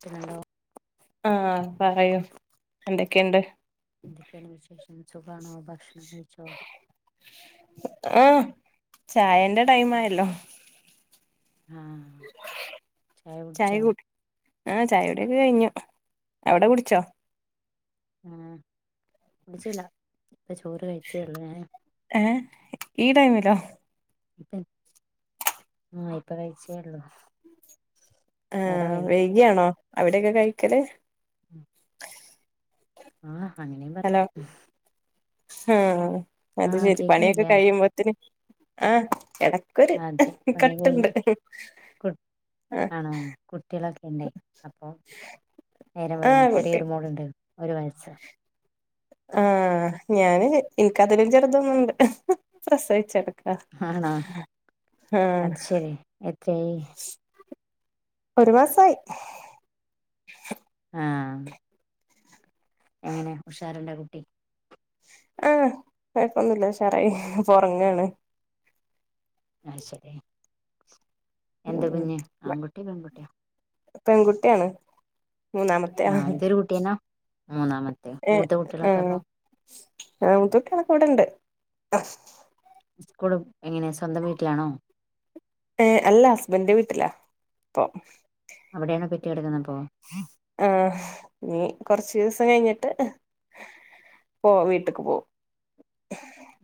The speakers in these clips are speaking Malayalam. ത്ത്നണ്ടൊ ആഹ പറയു എന്തെക്കെണ്ട് എന്തെക്കെണ് വിശേഷം സുഖാണോ ഭക്ഷണംകഴിച്ചോ ആഹ് ചായന്റെ ടൈംആയല്ലോ ആഹ് ചായ കുടി ആഹ ചായുടിയൊക്കെ കഴിഞ്ഞു അവടെ കുടിച്ചോ ആഹ് കുടിച്ചില്ല ഇപ്പ ചോറ് കഴിച്ചേഒള്ളൂ ഞാൻ ഏ ഈടൈമലോ ഇപ്പ ആഹ് ഇപ്പകഴിച്ചേള്ളൂ. ആഹ വൈകിയാണോ അവിടെക്കെ കഴിക്കല് ഉം ആഹ് അങ്ങനേംപറയ ആഹ അത് ആഹ് ശരി കേക്കുന്നില്ലേ പണിയൊക്കെകഴിയുമ്പോത്തിന് ആഹ് എട കട്ട്ണ്ട് കുട്ട് ആണോ കുട്ടിളൊക്കെണ്ടേ അപ്പോ നേരംവൈകും ആഹ് കുട്ടി ചെറിയൊരുമോള്ണ്ട് ഒരുവയസ്സ ആഹ് ഞാന് ഇൻക്കതിലുംചെറുതൊന്ന്ണ്ട് പ്രസവിച്ചടു അഹ് ആണോ ആഹ് അത് ശരി എത്രയായി ഒരു മാസായി ആഹ് എങ്ങനെ ഉഷാറ്ണ്ടൊ കുട്ടി ആഹ് കൊഴപ്പൊന്നുല്ല ഉഷാറായി പ്പഒറങ്ങാണ്. അഹ് ശരി എന്ത് ഉം കുഞ്ഞ് ആൺകുട്ടി പെൺകുട്ടിയോ പെങ്കുട്ടിയാണ്. ആഹ അന്റരു കുട്ടിയന്ന മൂന്നാമ ഏ ആഹ് മുത്തൊട്ടിളക്കെ ഇവടെണ്ട് സ്കൂളും എങ്ങനെ സ്വന്തംവീട്ടിലാണോ ഏ അല്ല ഹസ്ബന്റെ വീട്ടിലാ പ്പൊ അവിടെണോ പെറ്റ് കിടക്കുന്നപ്പോ ആ നീ കുറച്ച് ദിവസം കഴിഞ്ഞിട്ട് പോ വീട്ടക്ക് പോവും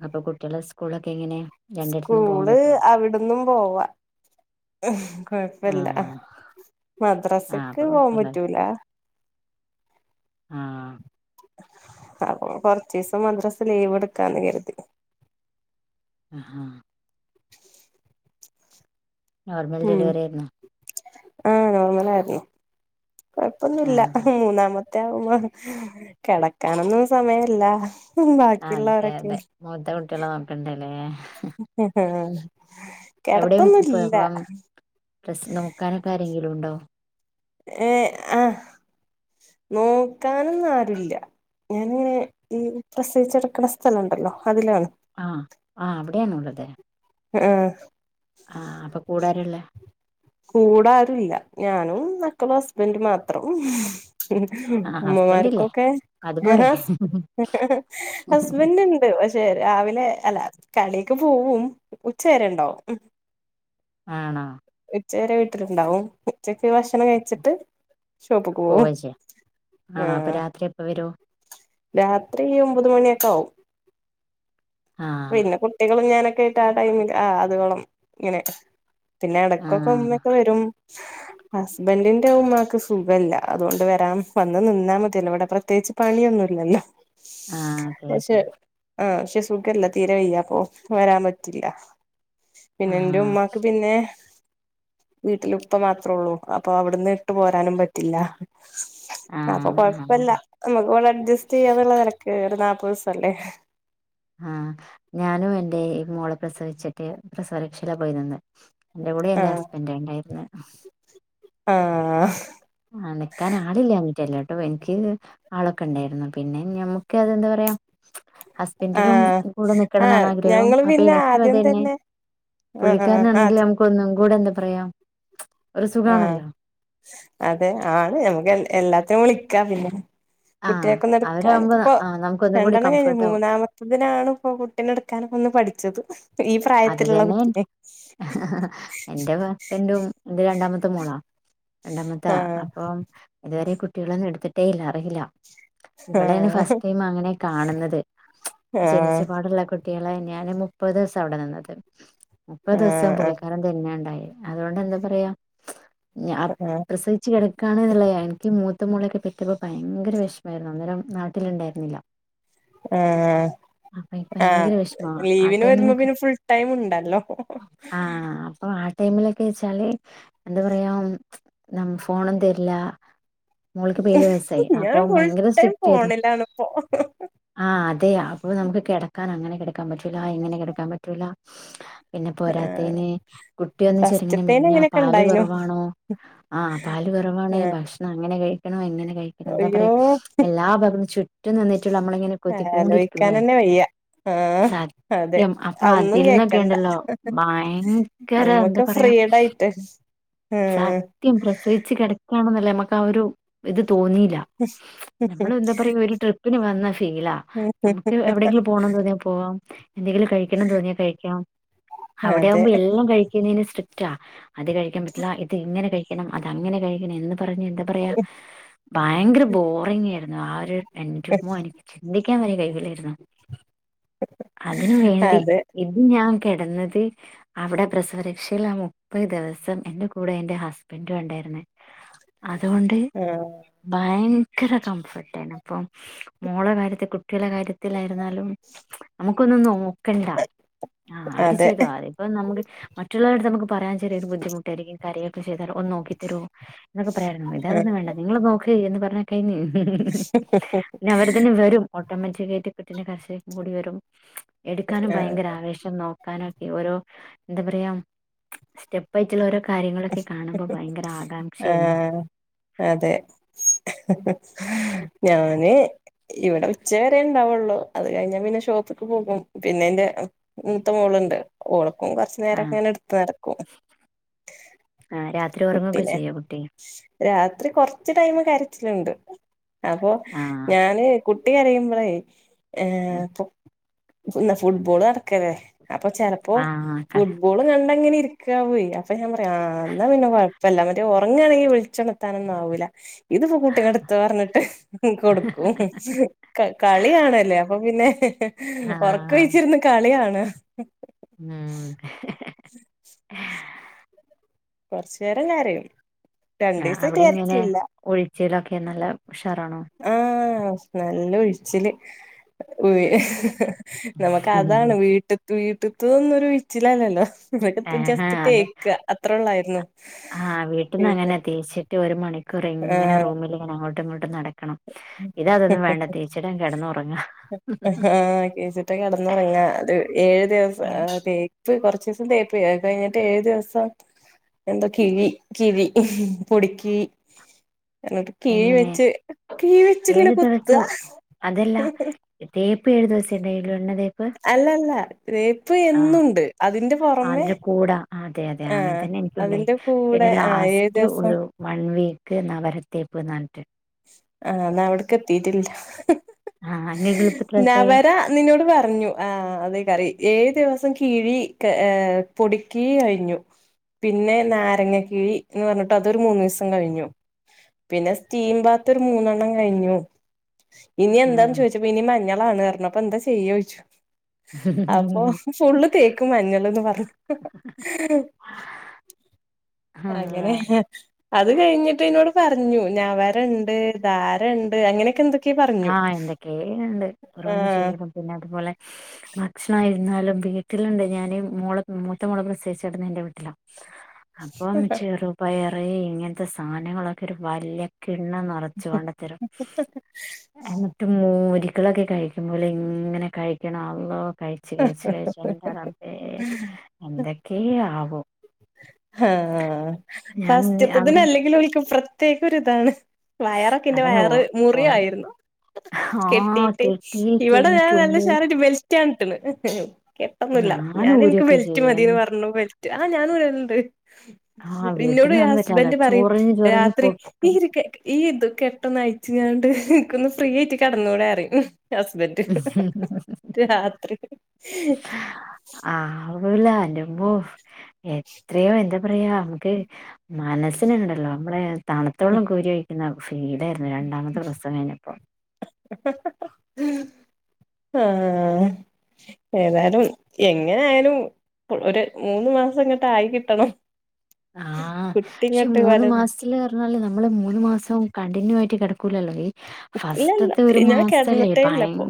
അപ്പൊ കുട്ട്യളെ സ്കൂളൊക്കെ എങ്ങനെയാ സ്കൂൾ അവിടന്നും പോവാ കൊഴപ്പല്ല ആഹ് ആഹ് മദ്രാസക്ക് അപ്പൊ പോവാൻ കൊഴപ്പല്ലല്ലോ പറ്റൂല ആഹ് അപ്പൊ കൊറച്ചിസം മദ്രസ ലീവ് എടുക്കാന്ന് കരുതി. ആഹ് നോർമൽ ഉം ഡലിവറിയായിരുന്നോ? ആഹ് നോർമലായിരുന്നു കൊഴപ്പൊന്നുല്ല ആഹ് മൂന്നാമ ത്തെവുമ്പോ കെടക്കാനൊന്നും സമയല്ല അതെ ബാക്കിയുള്ളവരൊക്കെ അതെ മൂത്തകുട്ട്യാളെ നൊക്കണ്ടലേ എവിടെയും ഇപ്പ കെടത്തൊന്നൂല്ല ഇപ്പം പ്രസ് നോക്കാനൊകേരെങ്കിലും ണ്ടോ? ഏഹ് ആഹ് നോക്കാനൊന്നും ആരുല്ല ഞാന് ഈ പ്രസവിച്ച്കടക്ക്ണ സ്ഥലണ്ടല്ലോ അതിലാണ് ആഹ് ആ അവിടെയാണോള്ളത്. അ ആഹ് ആഹ് അപ്പൊ കൂടാരാല്ലേ കൂടാരൂല്ല ഞാനും മക്കളും ഹസ്ബന്റ് മാത്രം ആഹ് മ്മ ഹസ്ബൻഡ് ഇല്ലേ മാർക്കൊക്കെ അത് പോരെ ഹസ് ഹസ്ബന്റ്ണ്ട് പക്ഷേ - രാവിലെ അല്ല കടിക്ക് പോവും ഉച്ചവരെണ്ടാവും ഉം ആണോ ഉച്ചവരെ വീട്ടിലുണ്ടാവും ഉച്ചക്ക് ഭക്ഷണം കഴിച്ചിട്ട് ഷോപ്പ്ക്ക് പോവും പോവാ ചെയ്യാ ആണോ അപ്പൊ ആഹ് രാത്രി എപ്പ വരും രാത്രി ഒമ്പത് മണിയൊക്കെ ആവും ആഹ് പിന്നെ കുട്ടികളും ഞാനൊക്കെ ആയിട്ട് ആ ടൈമില്ല് ആ അതുവോളം ഇങ്ങനെ പിന്നെ എടക്കൊക്കേ ആഹ് ഉമ്മക്കെ വരും ഹസ്ബൻന്റിന്റെ ഉമ്മാക്ക് സുഖമല്ല അതുകൊണ്ട് വരാം വന്ന് നിന്നാൽ മതിയല്ലോ ഇവിടെ പ്രത്യേകിച്ച് പണിയൊന്നുല്ലല്ലോ ആഹ് അതെ പക്ഷെ അതെ ആ പക്ഷെ സുഖല്ല. തീരെ വെയ്യ അപ്പൊ വരാൻ പറ്റില്ല പിന്നെ എന്റെ ആഹ് ഉമ്മ പിന്നെ വീട്ടില് ഉപ്പ മാത്രേ ഉള്ളൂ അപ്പൊ അവിടുന്ന് ഇട്ട് പോരാനും പറ്റ റ്റില്ല അപ്പൊ ആഹ് കൊഴപ്പല്ല ആഹ് നമുക്ക് ഇവിടെ അഡ്ജസ്റ്റ് ചെയ്യാന്നുള്ള നിലക്ക് ഒരു നാല്പത്ദിവസ അല്ലേ. ആഹ് ഞാനും എന്റെ മോളെ പ്രസവിച്ചിട്ട് പ്രസവരക്ഷല പോയി നിന്നെ എന്റെ കൂടെ ആ എന്റെ ഹസ്ബന്റാ ണ്ടായിരുന്നെ. ആഹ് ആഹ നിക്കാൻ ആളില്ലഞ്ഞിട്ടല്ലേ ട്ടോ എനിക്ക് ആളൊക്കെ ഉണ്ടായിരുന്നു പിന്നെ ഞമ്മുക്ക് അതെന്താ പറയാ. ആ ഹസ്ബൻന്റിനും കൂടെ ആ നിക്കണം എന്നാണ് ആഗ്രഹം ഞങ്ങള് അപ്പൊ പിന്നെ എനിക്കും അത് ആദ്യം തന്നെ ആ ആ പുള്ളിക്കാരനാണെങ്കിൽ നമുക്ക് ഒന്നും കൂടെ എന്താ പറയാം ആഹ് അതെ ആണ് ഞമുക്ക് എല്ലാത്തിനും വിളിക്കാം പിന്നെ ആഹ് കുട്ട്യാക്കൊന്ന് എടുക്കാൻ അവരാകുമ്പോ ഇപ്പൊ ആഹ് നമുക്ക് ഒന്നും കൂടി രണ്ടെണ്ണം കംഫർട്ട് ആവും കഴിഞ്ഞ്മൂന്നാമത്തെ. ഇതിനാണ് ഇപ്പൊ കുട്ടിനെ എടുക്കാനൊക്കെ ഒന്ന് പഠിച്ചത്. ഈ അത് പ്രായത്തിലുള്ള തന്നെ കുട്ടിന്നെ ന്റും എന്റെ രണ്ടാമത്തെ മോളാ രണ്ടാമത്താ ആഹ് അപ്പോം ഇതുവരെ കുട്ടികളൊന്നും എടുത്തിട്ടേല്ല അറിയില്ല ഇവളെണ് ആഹ് ഫസ്റ്റ് ടൈം അങ്ങനെ കാണുന്നത് ആഹ് ജനിച്ചപാടുള്ള കുട്ടികളെ ഞാന് മുപ്പത് ദിവസം അവിടെ നിന്നത് മുപ്പത് ദിവസം ആഹ് പുള്ളിക്കാരൻ തന്നെ ണ്ടായി അതോണ്ട് ന്താ പറയാ ഞാൻ ആഹ് പ്രസിവിച്ചു കിടക്ക ക്കാണ്ന്നള്ളതാണ് എനിക്ക് മൂത്ത മോളൊക്കെ പെറ്റപ്പോ ഭയങ്കര വിഷമായ്രുന്നു അന്നേരം നാട്ടിലുണ്ടായിരുന്നില്ല. ആഹ് അപ്പൊ എനിക്ക് ആഹ് ഭയങ്കര വിഷമാ ലീവിന് വരുമ്പോ പിന്നെ ഫുൾടൈം ടൈമ്ണ്ടല്ലോ ആഹ അപ്പൊ ആ ടൈമിലൊക്കെ വെച്ചാല് എന്താ പറയാ നമ്മ ക്ക് ഫോണും തരില്ല മോൾക്ക്പ്പോ ഏഴ് വയസായി ഞാൻ അപ്പൊ ഫുൾ ഭയങ്കര ടൈം സ്ട്രിക്റ്റ് ആയിരുന്നു ഫോണിലാണ് ഇപ്പോ ആഹ് അതെയ് അപ്പൊ നമുക്ക് കിടക്കാൻ അങ്ങനെ കിടക്കാൻ പറ്റൂല ങ്ങനെ കിടക്കാൻ പറ്റൂല പിന്നെ പോരാത്തീന് കുട്ടി ഒന്ന് ചെറിങ്ങനെ ഫസ്റ്റത്തേന് മേലിഞ്ഞാ അങ്ങനെയൊക്കെ പാല് ഉണ്ടായിനു കുറവാണോ ആഹ് പാല് കുറവാണ് ഭക്ഷണം അങ്ങനെ കഴിക്കണം ങ്ങനെ കഴിക്കണം എന്താ പറയാ അയ്യോ എല്ലാ ഭാഗത്തും ചുറ്റും നിന്നിട്ട് നമ്മളങ്ങനെ കൊത്തിക്കോണ്ടിരിക്കുംല്ലേ ആലോയിക്കാനന്നെ വയ്യ സത്തിയം ന്നും കേക്കണ്ട ഭയങ്കര നമ്മുക്ക് എന്താ പറയാ ഫ്രീടായിട്ട് ആഹ സത്യം പ്രസവിച്ച് കെടക്കണ്ന്ന്ള്ള നമുക്ക് ആ ഒരു ഇത് തോന്നില്ല നമ്മള് എന്താ പറയാ ഒരു ട്രിപ്പിന് വന്നാ ഫീലാ നമുക്ക് എവിടെങ്കിലും പോകണന്ന് തോന്നിയാ പോവാം എന്തെങ്കിലും കഴിക്കണം തോന്നിയാ കഴിക്കാം അവിടെ അതെ ആവുമ്പോ എല്ലാം കഴിക്കുന്നതിന് സ്ട്രിക്റ്റാ അത് കഴിക്കാൻ പറ്റില്ല ഇത് ഇങ്ങനെ കഴിക്കണം അത് അങ്ങനെ കഴിക്കണം എന്ന് പറഞ്ഞു എന്താ പറയാ ഭയങ്കര ബോറിംങ്ങ് ആയിരുന്നു ആ ഒരു എന്റുമ്മോ എനിക്ക് ചിന്തിക്കാൻ വരെ കഴിയില്ലായിരുന്നു അതിന് വേണ്ടി അതെ ഇത് ഞാൻ കെടന്നത് അവിടെ പ്രസവരക്ഷയിൽ ആ മുപ്പത് ദിവസം എന്റെ കൂടെ എന്റെ ഹസ്ബൻഡും ഉണ്ടായ്രുന്നു അതുകൊണ്ട് ആഹ് ഭയങ്കര കംഫർട്ട് ആയ്ന് അപ്പം മോളെ കാര്യത്തിൽ കുട്ടികളുടെ കാര്യത്തിലായിരുന്നാലും നമുക്കൊന്നും നോക്കണ്ട ആഹ അവര് അതെ ചെയ്തു അവര് അപ്പ നമുക്ക് മറ്റുള്ളവര്ടെത്ത് നമ്മക്ക് പറയാൻ ചെറിയരു ബുദ്ധിമുട്ടായിരിക്കും കരയോക്കെ ചെയ്താൽ ഒന്ന് നോക്കോ നോക്കി തെരോ എന്നൊക്കെ പറയായ്രുന്നു ആഹ് ഇതതൊന്നും വേണ്ട നിങ്ങള് നോക്കി എന്ന് പറഞ്ഞ കഴിഞ്ഞിലെ പിന്നെ അവര് തന്നെ വരും ഓട്ടോമാറ്റിക്കായിട്ട് കുട്ടിന്റെ കരച്ചിൽ കേട്ടാ ഓടി വരും എടുക്കാനും ആഹ് ഭയങ്കര നോക്കാനൊക്കെ ഓരോ എന്താ പറയാ സ്റ്റെപ്പയിട്ടുള്ള ഓരോ കാര്യങ്ങളൊക്കെ കാണുമ്പോൾ ഭയങ്കര ആകാംക്ഷായാണ് ആഹ് അതെ ഞാന് ഇവിടെ ഉച്ച വരെ ഉണ്ടാവുള്ളൂ അത് കഴിഞ്ഞ പിന്നെ ഷോപ്പക്ക് പോകും പിന്നെന്റെ മൂത്തെ മോളുണ്ട് ഓളക്കെ കുറച്ചു നേരം ആഹ് ങ്ങനെ എടുത്ത് നടക്കും ആഹ് രാത്രി ഉറങ്ങൊക്കെ കുട്ടിനെ ചെയ്യോ കുട്ടി രാത്രി കുറച്ച് ടൈമില് കാരച്ചിലിണ്ട് അപ്പോ ആഹ് ഞാന് കുട്ടികരയുമ്പോേ ഏ പ്പോ പിന്ന ഫുട്ബോൾ നടക്കല്ലെ അപ്പൊ ചെലപ്പോ ആഹ് കള ഫുട്ബോൾ കണ്ടങ്ങനെ ഇരിക്കാവുയ് അപ്പൊ ഞാൻ പറിം ആ ന്നാ പിന്നെ കൊഴപ്പല്ല മറ്റേ ഉറങ്ങാണെങ്കി വിളിച്ചെണത്താനൊന്നാവൂല്ല ഇതിപ്പോ കൂട്ടി നെട്ത്തോന്ന് പറഞ്ഞിട്ട് കൊട്ക്കും കളിയണല്ലേ അപ്പൊ പിന്നെ ആഹ് ഉറക്കൊഴിച്ചിരുന്ന് കളികാണാ ഉം കോർചേരം കരയും ആ രണ്ടീസായിട്ട് അവിടെ ഇങ്ങനെ കരച്ചിലില്ല ഉഴിച്ചിലൊക്കെങ്ങനെ നല്ല ഉഷാറാണോ ആഹ നല്ല ഉഴ്ച്ചില് ഉ നമക്ക് അതാണ് വീട്ട് വീട്ട്ത്തൊന്നുരുഴിച്ചിലല്ലല്ലോ ഇവിടുത്തെ ജെസ്റ്റ്ത്തെക്കാ അത് ആഹ് വീട്ടന്ന് അങ്ങനെ തെ ഏസ്യൊക്കെ ഒര് മണിക്കൂറെങ്ങനെ ആഹ് റൂമില്ങ്ങനെ അങ്ങോട്ടും ഇങ്ങോട്ടും നട ക്കണം ഇതതൊന്നും വേണ്ട തേച്ചിണ്ടാണ്ട് കെടന്നാെറങ്ങാ ആഹ് തേച്ചിട്ട് കെടന്നാെറങ്ങാ അത് ഏഴ് ദിവസം ആഹ് തേ ത് കാെർച്ചീസം തേപ്പ അത്കയ്ഞ്ഞിട്ട് ഏഴ് ദിവസം എന്താേ കിഴി കിഴി പൊടിക്കിഴി ന്നട്ട് കിഴി എങ്ങനെ വെച്ച് കിഴി വെച്ച്ങ്ങനെ ഏഴു കുത്താ തേപ്പേഴ് ദിവസം ണ്ടായ്ലാെണ്ണ തേ അല്ല അല്ല തേപ്പ് എന്നുംണ്ട് അതിന്റെ പുറമെ അതിന്റെ കൂടാ അതെ അതെ ആഹ് അങ്ങൻ തന്നെ എനിക്കുണ്ടായി അതിന്റെ പിന്നെ കൂടെ ആഹ് ഏഴു ലാസ്റ്റ് ദിവസം ഒരു വൺ വീക്ക് നവരത്തേപ്പ്ന്നർഞ്ഞ്ട്ട് ആഹ് ന്നാ അവ്ട്ക്കെത്തീട്ടില്ല ആ നിങ്ങൾക്ക് എളുപ്പത്തിൽ മനസ്സിലായി നവര ന്ന്ന്നോട് പർഞ്ഞു ആഹ് അതെയ്ക്കാരം ഏഴ് ദിവസം കിഴി ഏഹ് പൊടിക്കിഴി കഴിഞ്ഞു പിന്നെ നാരങ്ങ കിഴിന്ന് പർഞ്ഞിട്ട് അതൊരു മൂന്നീസം കഴിഞ്ഞു പിന്നെ സ്റ്റീം ബാത്തൊരു മൂന്നെണ്ണം കഴിഞ്ഞു ഇനി എന്താന്ന് ചോയ്ച്ച പ്പ ഇനി മഞ്ഞളാണ് അർഞ്ഞു അപ്പെന്താ ചെയ്യായ്ച്ചു അപ്പം ഫുള്ള് തേക്കും മഞ്ഞള്ന്ന് പർഞ്ഞ് ആ ആങ്ങനെ അള്ളാ അത് കഴിഞ്ഞിട്ട് ന്നോട് പറഞ്ഞു നവരണ്ട് ധാരണ്ട് അങ്ങനെയെക്കെന്താെ ആഹ് എന്തൊക്കേണ്ട് ഓരോന്ന് ചെയ്യലും പിന്നെ അത്പോലെ ഭക്ഷണായ്ര്ന്നാലും വീട്ടില്ണ്ട് ഞാന് മോളെ മൂത്തമോളെ പ്രസവിച്ചട്ന്നെ എന്റെ വീട്ടിലാ അപ്പം ചെറുപയറ് ഇങ്ങൻത്തെ സാനങ്ങളൊക്കൊര് വല്ല്യ കിണ്ണം നെറച്ച് കൊണ്ടെത്തെരും ആഹ് എന്നിട്ട് മൂരികളൊക്കെ കഴിക്കുംപോലെ ഇങ്ങനെ കഴിക്കണം അള്ളോ കഴി ച്ച് കഴിച്ച് കഴിച്ച് എന്റെ റബ്ബേ എന്തെക്കേ ആവും ആഹ് ഞാൻ ഫസ്റ്റ്ത്തത്തിന് അവിടെ അല്ലെങ്കിലും ഓൽക്ക് പ്രത്യേക ഒര്താണ് വയറൊക്കെന്റെ അതിന് ഓ വയറ് ഓര മുറ്യായ്ര്ന്നു ആഹ് കെട്ടീട്ട് കെട്ടിയിട്ട് ഇവിടെ ഞാൻ ചുമ്മും നല്ലഷാറായ്ട്ട് ബെൽറ്റാട്ട്ണ് കെട്ടൊന്നുല്ല ഞാൻ ഞാന് ഇൻക്ക് ഊരൊക്കെ ബെൽറ്റ് ചെയ്യും മതീന്ന് പർഞ്ഞു ബെൽറ്റ് ആഹ് ഞാന് ഊരല്ണ്ട് ആഹ് ഇന്നോട് ഇന്റെ വീട്ടിന്നാന്ന് പറ്റാല്ല ഹസ്ബന്റ് പറിം ചൊറിഞ്ഞ് ചൊറിഞ്ഞ് രാത്രി ഈ പൊട്ടും ഇത് കെ ഈ ഇത് കെട്ടോന്ന് അയ്ച്ച്ങ്ങാണ്ട് അൻക്കൊന്ന് ഫ്രീയായിട്ട് കെട്ന്നൂടെ അറിം ഹസ്ബൻ രാത്രി ആവൂല അന്റെമ്മോ എത്രയോ എന്താ പറയാ അമക്ക് മനസ്സ്ന്ണ്ടല്ലോ അമ്മളേ തണ്ത്ത വള്ളം കോരി ഒഴിക്ക്ന്ന ഫീലായ്ര്ന്നു രണ്ടാമത്തെ പ്രസവം കയ്ഞ്ഞപ്പോ ആഹ് ഏതായാലും എങ്ങെനെ ആയാലും ഒര് മൂന്ന് മാസംങ്ങട്ടായി കിട്ടണം കുട്ടിങ്ങട്ട് വല് ന്ന്ർഞ്ഞാല് നമ്മള് മൂന്ന് മാസം കണ്ടിന്യൂ ആയിട്ട് കെടക്കൂലല്ലോ വെയ്റ്റ് ഇല്ലല്ല ഫസ്റ്റ്ത്തെ ഒര് ഞാൻ മാസലേ കിടന്നിട്ടേ ഭയ ഇല്ലപ്പൊ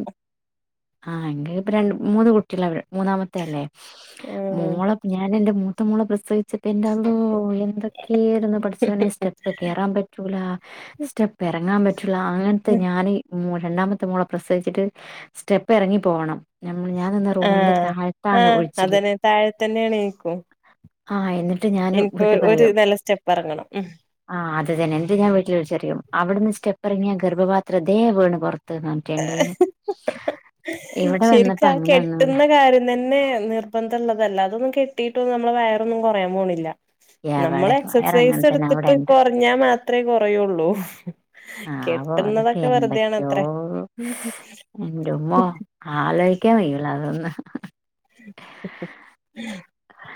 ആഹ് ഇന്റെത്പ്പ രണ്ട് മൂന്ന് കുട്ട്യാള [unintelligible] മൂന്നാമത്തെ അല്ലേ ഉം മോളെ ഞാന്‌ന്റെ മൂത്ത മോളെ പ്രസവ്ച്ച്ട്ട് ഇന്റെ അ എന്തെക്കേര്ന്നു പട്ച്ചോനെ സ്റ്റെപ്പ് കേറാൻ പറ്റൂല സ്റ്റെപ്പ് എറങ്ങാൻ പ റ്റൂലാ അങ്ങൻത്തെ ഞാന് മോ രണ്ടാമത്തെ മോളെ പ്രസവ്ച്ച്ട്ട് സ്റ്റെപ്പെറങ്ങി പോവണം ഞമ്മ് ഞാനന്ന് റൂമിന്റെ ആഹ് താഴത്താണ് ആഹ് ഉഴ്ച്ച്ല് അതന്നെ താഴെ തന്നെയാണ് എനിക്കും ആഹ് എന്നി എനിക്ക് ഒര് നെല സ്റ്റെപ്പെറങ്ങണം ഉം ആഹ് അത് തന്നെ ഇത് ഞാൻ വീട്ട്ല് വിൾച്ചറിയും അവ്ട്ന്ന് സ്റ്റെപ്പെറങ്ങ്യാ ഗർഭപാത്രം തേ വീണ് പൊർ ത് മാറ്റണ്ടയ്ന് ശെരിക്കാ കെട്ട്ന്ന കാര്യം തന്നെ നിർ നിബന്ധള്ളതല്ല അതൊന്നും കെട്ടിയിട്ടൊന്നും നമ്മള വയറൊന്നും കൊറയാം പോണില്ല. നമ്മള് എവടെ എക്സസൈസ് വയറങ്ങനെ തന്നെ എടുത്തിട്ട് അവിടെണ്ട്. കൊറഞ്ഞാ മാത്രേ കൊറയുള്ളൂ. ആവോ അതൊക്കെ കെട്ടുന്നതൊക്കെ എന്തൊക്കെയോ വെറുതണത്രെ. എന്റുമ്മോ ആലോയ്ക്കാൻ വയ്യൂല്ല അതൊന്ന് [unintelligible]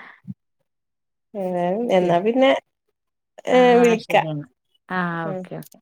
ഏ. പി ആഹ്, ആ ശരി വിളിക്കാം എന്നാ ആ ഉം ഓക്കെ, ഓക്കെ.